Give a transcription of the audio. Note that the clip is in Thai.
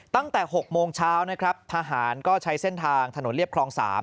ตั้งแต่๖โมงเช้านะครับทหารก็ใช้เส้นทางถนนเรียบคลอง๓